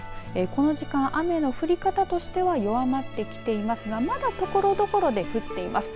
この時間、雨の降り方としては弱まっていますがまだところどころで降っています。